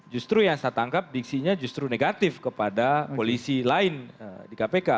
justru yang saya tangkap diksinya justru negatif kepada polisi lain di kpk